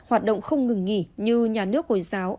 hoạt động không ngừng nghỉ như nhà nước hồi giáo